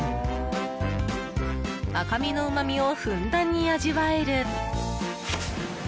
赤身のうまみをふんだんに味わえる。